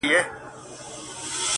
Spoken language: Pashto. چي زموږ کلتورونه اصيل دي